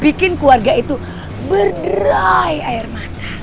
bikin keluarga itu berderai air mata